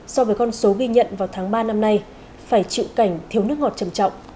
so với con số ghi nhận vào tháng ba năm nay phải chịu cảnh thiếu nước ngọt trầm trọng